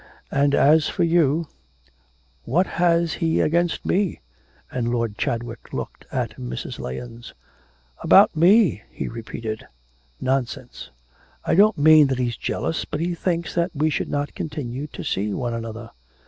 And as for you ' 'What has he got against me?' and Lord Chadwick looked at Mrs. Lahens. 'About me!' he repeated, 'Nonsense.' 'I don't mean that he's jealous, but he thinks that we should not continue to see one another.'